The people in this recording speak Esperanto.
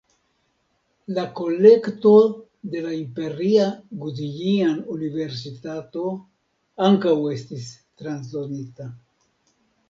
La kolekto de la imperia guzijian universitato ankaŭ estis transdonita.